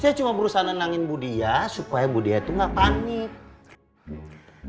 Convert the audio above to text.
saya cuma berusaha nenangin bu nita supaya bu nita itu nggak panik